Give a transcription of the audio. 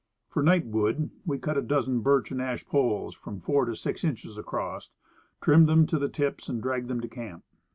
For " night wood," we cut a dozen birch and ash poles from four to six inches across, trimmed them to the tips, and dragged them to camp.